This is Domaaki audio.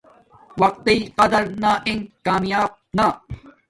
وقت تݵ قدر نا انݣ کامیاب نا